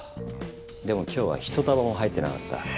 でも今日は１束も入ってなかった。